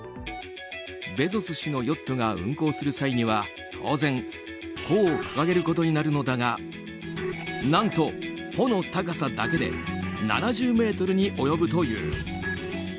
ベゾス氏のヨットが運航する際には、当然帆を掲げることになるのだが何と帆の高さだけで７０ｍに及ぶという。